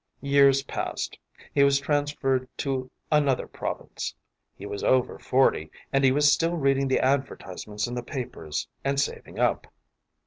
“Years passed: he was transferred to another province. He was over forty, and he was still reading the advertisements in the papers and saving up.